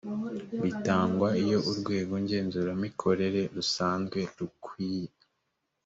bitangwa iyo urwego ngenzuramikorere rusanze rukwiye